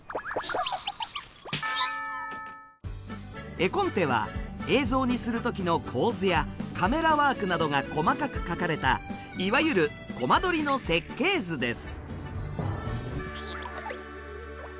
絵コンテは映像にする時の構図やカメラワークなどが細かく書かれたいわゆるコマ撮りの設計図です。